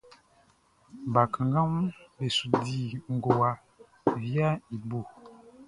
Bakannganʼm be su di ngowa viaʼn i bo.